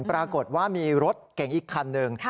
ปรากฏว่ามีรถเก่งอีกคันหนึ่ง